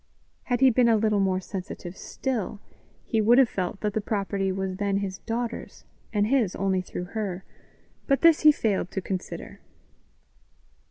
Had he been a little more sensitive still, he would have felt that the property was then his daughter's, and his only through her; but this he failed to consider.